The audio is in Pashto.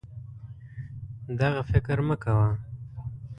دغه فکر مه کوه